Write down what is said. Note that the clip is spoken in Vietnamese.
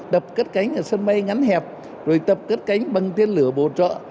tập cất cánh ở sân bay ngắn hẹp rồi tập cất cánh bằng tiên lửa bộ trợ